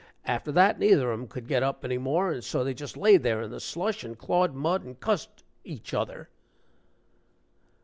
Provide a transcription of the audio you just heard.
After that, neither of 'em could get up any more, and so they just laid there in the slush and clawed mud and cussed each other."